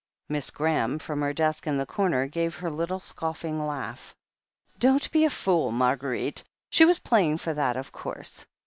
Miss Graham, from her desk in the comer, gave her little scoffing laugh. "Don't be a fool, Marguerite. She was playing for that, of course.